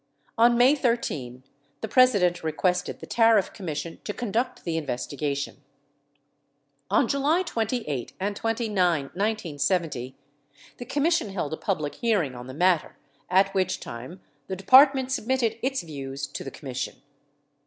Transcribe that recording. On May 13, the President requested the Tariff Commission to conduct the investigation. On July 28 and 29, 1970, the Commission held a public hearing on the matter, at which time the Department submitted its views to the Commission.